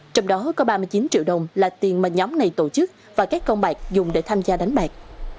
trong đó có ba mươi chín triệu đồng là tiền mà nhóm này tổ chức và các công bạc dùng để tham gia đánh bạc